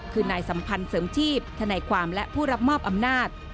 คือนายสัมพันธ์เสริมชีพธนายความและผู้รับมอบอำนาจ